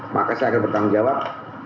maka saya akan bertanggung jawab